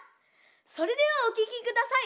それではおききください！